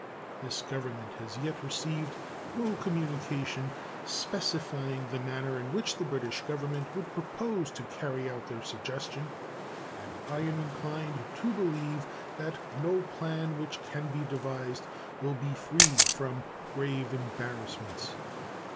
This Government has yet received no communication specifying the manner in which the British Government would propose to carry out their suggestion, and I am inclined to believe that no plan which can be devised will be free from grave embarrassments.